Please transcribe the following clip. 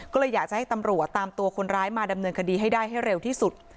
ก็เลยอยากจะให้ตำรวจตามตัวคนร้ายมาดำเนินคดีให้ได้ให้เร็วที่สุด